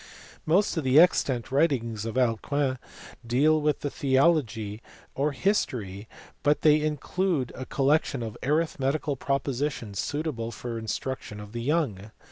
Most of the extant writings of Alcuin deal with theology or history, but they include a collection of arithmetical proposi tions suitable for the instruction of the young.